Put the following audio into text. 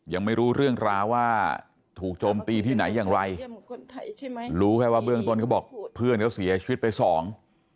ยังไม่รู้เรื่องราวว่าถูกโจมตีที่ไหนอย่างไรรู้แค่ว่าเบื้องต้นเขาบอกเพื่อนเขาเสียชีวิตไปสอง